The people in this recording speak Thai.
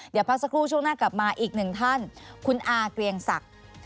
เดี๋ยวพักสักครู่ช่วงหน้ากลับมาอีกหนึ่งท่านคุณอาเกรียงศักดิ์